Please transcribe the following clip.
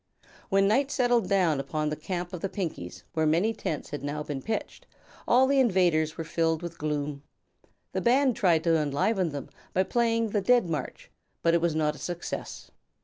When night settled down upon the camp of the Pinkies, where many tents had now been pitched, all the invaders were filled with gloom. The band tried to enliven them by playing the "Dead March," but it was not a success.